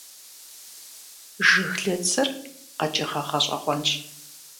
Жыглыцыр къэкӀыгъэ гъэщӀэгъуэнщ.